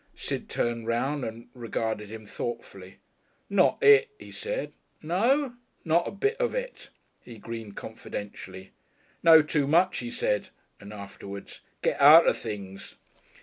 Sid turned round and regarded him thoughtfully. "Not it!" he said. "No?" "Not a bit of it." He grinned confidentially. "Know too much," he said; and afterwards, "Get out of things."